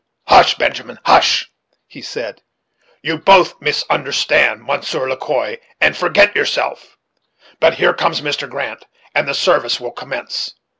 "Hush, Benjamin, hush," he said; "you both misunderstand Monsieur Le Quoi and forget yourself. But here comes Mr. Grant, and the service will commence.